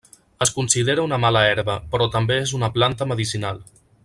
Es considera una mala herba, però també és una planta medicinal.